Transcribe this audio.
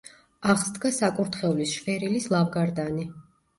აღსდგა საკურთხევლის შვერილის ლავგარდანი.